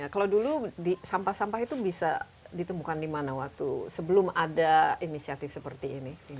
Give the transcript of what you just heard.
kalau dulu sampah sampah itu bisa ditemukan di mana waktu sebelum ada inisiatif seperti ini